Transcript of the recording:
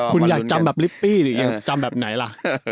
คุณอยากจำแบบลิปปี้ดิอยากจำแบบไหนล่ะ